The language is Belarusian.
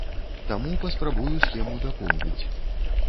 Таму паспрабую схему дапоўніць.